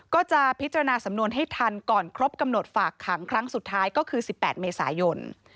ก็จะพิจารณาสำนวนให้ทันก่อนครบกำหนดฝากขังครั้งสุดท้ายก็คือ๑๘เมษายน